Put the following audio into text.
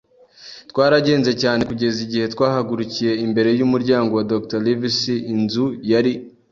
Twaragenze cyane kugeza igihe twahagurukiye imbere y'umuryango wa Dr. Livesey. Inzu yari